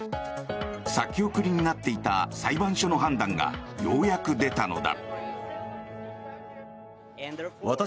先送りになっていた裁判所の判断がようやく出たのだ。